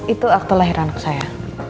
itu waktu lahiran saya